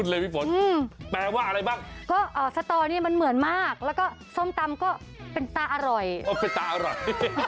และส้มตำเป็นตาอร่อย